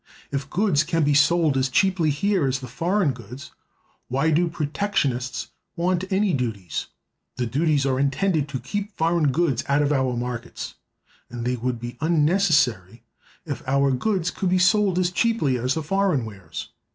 If goods can be sold as cheaply here as the foreign goods, why do protectionists want any duties? The duties are intended to keep foreign goods out of our markets; and they would be unnecessary if our goods could be sold as cheaply as the foreign wares.